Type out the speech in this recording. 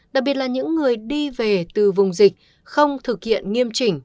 đặc biệt là những người đi về từ vùng dịch không thực hiện nghiêm chỉnh